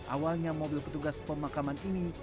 awalnya mobil petugas pemakaman ini